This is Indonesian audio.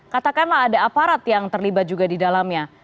katakanlah ada aparat yang terlibat juga di dalamnya